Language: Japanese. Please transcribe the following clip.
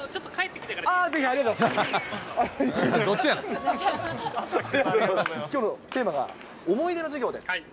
きょうのテーマが思い出の授業です。